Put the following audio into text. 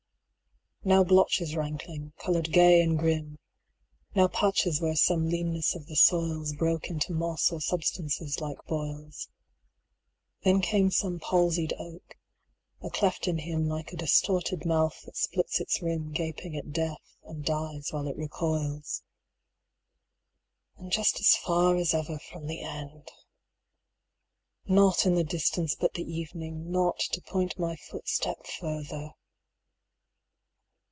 150 Now blotches rankling, colored gay and grim, Now patches where some leanness of the soil's Broke into moss or substances like boils; Then came some palsied oak, a cleft in him Like a distorted mouth that splits its rim 155 Gaping at death, and dies while it recoils. And just as far as ever from the end! Naught in the distance but the evening, naught To point my footstep further!